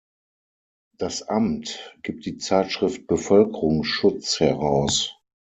Das Amt gibt die Zeitschrift "Bevölkerungsschutz" heraus.